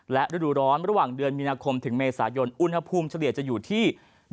และฤดูร้อนระหว่างเดือนมีนาคมถึงเมษายนอุณหภูมิเฉลี่ยจะอยู่ที่